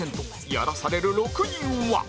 やらされる６人は？